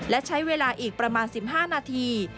และใช้เวลาอีกประมาณ๑๕นาที